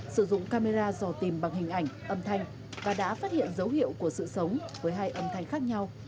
sử dụng camera dò tìm bằng hình ảnh âm thanh và đã phát hiện dấu hiệu của sự sống với hai âm thanh khác nhau